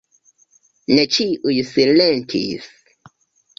Ne ĉiuj silentis.